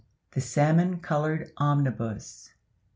—THE SALMON COLORED OMNIBUS.